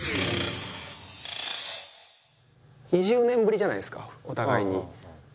２０年ぶりじゃないですかお互いに。